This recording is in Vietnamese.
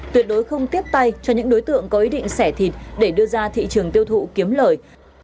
tuyệt đối không tiếp tay cho những đối tượng có ý định sẻ thịt để đưa ra thị trường tiêu thụ kiếm lời